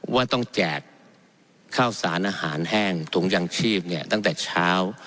ว่าต้องแจกข้าวสารอาหารแห้งถุงยางชีพเนี่ยตั้งแต่เช้า